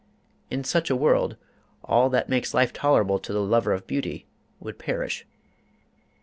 In such a world all that makes life tolerable to the lover of beauty would perish.